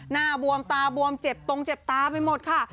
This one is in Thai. บวมตาบวมเจ็บตรงเจ็บตาไปหมดค่ะ